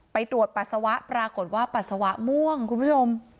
ไปตรวจปัสสาวะปรากฏว่าปัสสาวะม่วงคุณผู้ชม